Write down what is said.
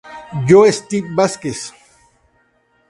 Joe Steve Vásquez.